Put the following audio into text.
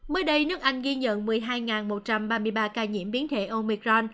mới đây nước anh ghi nhận một mươi hai một trăm ba mươi ba ca nhiễm biến thể omicron